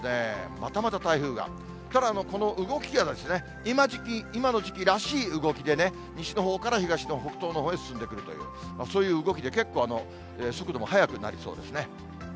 またまた台風が、ただ、この動きが、今の時期らしい動きでね、西のほうから東の北東のほうへ進んでくるという、そういう動きで、結構速度も速くなりそうですね。